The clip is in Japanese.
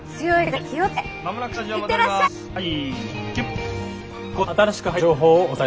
はい。